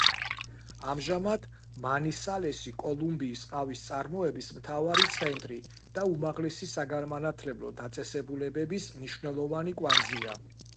ამჟამად, მანისალესი კოლუმბიის ყავის წარმოების მთავარი ცენტრი და უმაღლესი საგანმანათლებლო დაწესებულებების მნიშვნელოვანი კვანძია.